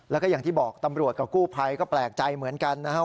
แล้วก็อย่างที่บอกตำรวจกับกู้ภัยก็แปลกใจเหมือนกันนะครับ